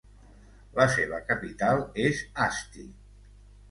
La seva capital és Asti.